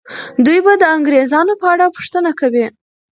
دوی به د انګریزانو په اړه پوښتنه کوي.